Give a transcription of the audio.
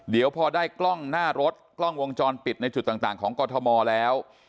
เดี๋ยวพอได้กล้องหน้ารถกล้องวงจรปิดในจุดต่างของกรทมแล้ว